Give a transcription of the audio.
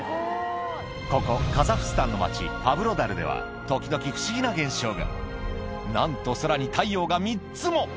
ここカザフスタンの町パブロダルでは時々不思議な現象がなんと空に太陽が３つも！